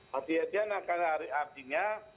hati hatian karena artinya